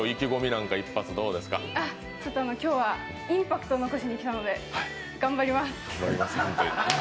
今日はインパクトを残しに来たので、頑張ります。